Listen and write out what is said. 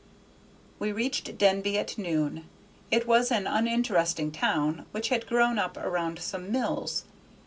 We reached Denby at noon; it was an uninteresting town which had grown up around some mills.